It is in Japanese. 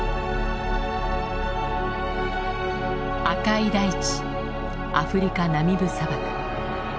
赤い大地アフリカナミブ砂漠。